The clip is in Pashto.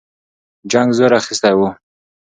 جنګ زور اخیستی وو.